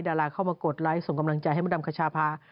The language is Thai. ดาราเข้ามากดไลค์ส่งกำลังใจให้มดดำขชาพา